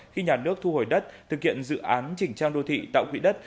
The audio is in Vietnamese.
khi nhà nước thu hồi đất thực hiện dự án chỉnh trang đô thị tạo quỹ đất